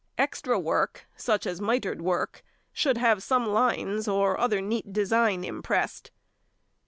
Extra work, such as mitred work, should have some lines, or other neat design impressed.